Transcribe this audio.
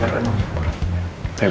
sekian lagi yuk